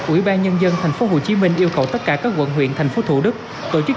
ủy ban nhân dân thành phố hồ chí minh yêu cầu tất cả các quận huyện thành phố thủ đức tổ chức